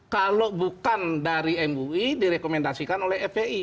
kalau bukan dari mui direkomendasikan oleh fpi